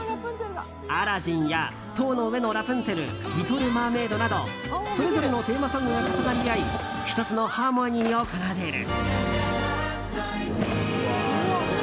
「アラジン」や「塔の上のラプンツェル」「リトル・マーメイド」などそれぞれのテーマソングが重なり合い１つのハーモニーを奏でる。